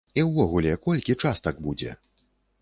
І ўвогуле, колькі частак будзе?